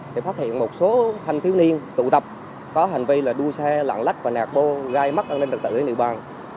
để phát hiện một số thanh thiếu niên tụ tập có hành vi là đua xe lạng lách và nạc bô gai mắt an ninh trật tự ở địa bàn